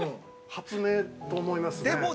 ◆発明と思いますね。